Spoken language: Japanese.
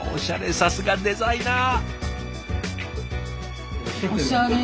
さすがデザイナー！